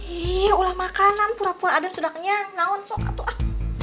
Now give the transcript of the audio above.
iya ulah makanan pura pura aden sudah kenyang naon sok atuh ah